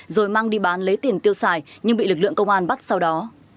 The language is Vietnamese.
rồi mang đi bán lấy tiền tiêu xài nhưng bị lực lượng công an bắt sau đó